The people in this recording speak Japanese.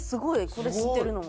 これ知ってるのは。